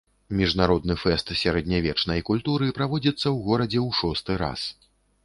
Міжнародны фэст сярэднявечнай культуры праводзіцца ў горадзе ў шосты раз.